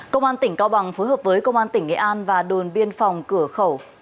công an tỉnh cao bằng phối hợp với công an tỉnh nghệ an và đồn biên phòng cửa khẩu